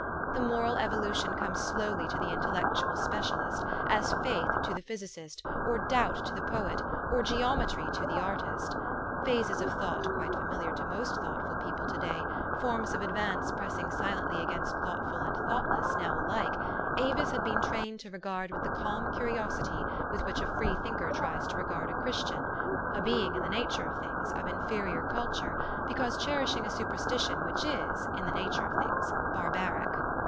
The moral evolution comes slowly to the intellectual specialist, as faith to the physicist, or doubt to the poet, or geometry to the artist. Phases of thought quite familiar to most thoughtful people to day, forms of advance pressing silently against thoughtful and thoughtless, now alike, Avis had been trained to regard with the calm curiosity with which a free thinker tries to regard a Christian, a being, in the nature of things, of inferior culture, because cherishing a superstition which is, in the nature of things, barbaric.